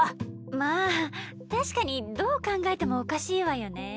まあ確かにどう考えてもおかしいわよね。